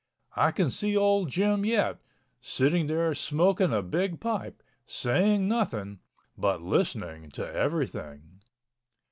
I can see old Jim yet, sitting there smoking a big pipe, saying nothing, but listening to everything.